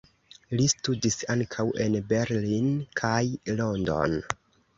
Li studis ankaŭ en Berlin kaj London.